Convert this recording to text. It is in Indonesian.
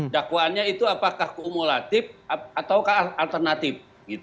dakwaannya itu apakah kumulatif ataukah alternatif